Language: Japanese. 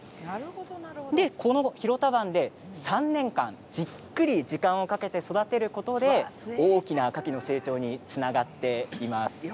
この広田湾で３年間じっくり時間をかけて育てることで大きなカキの成長につながっています。